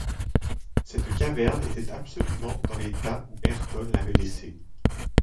Cette caverne était absolument dans l’état où Ayrton l’avait laissée